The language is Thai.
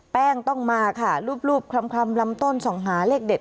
ต้องมาค่ะรูปคลำลำต้นส่องหาเลขเด็ด